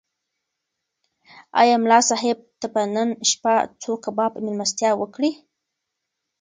ایا ملا صاحب ته به نن شپه څوک کباب مېلمستیا وکړي؟